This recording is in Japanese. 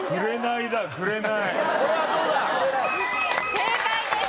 正解です。